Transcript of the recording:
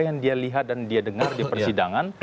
yang dia lihat dan dia dengar di persidangan